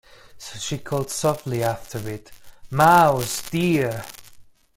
So she called softly after it, ‘Mouse dear!’